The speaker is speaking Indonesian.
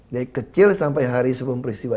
dari kecil sampai hari sebelum peristiwa